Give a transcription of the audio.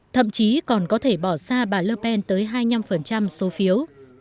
thậm chí còn có thể bỏ xa bà le pen tới hai mươi năm số phiếu